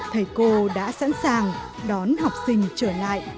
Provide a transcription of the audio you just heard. thầy cô đã sẵn sàng đón học sinh trở lại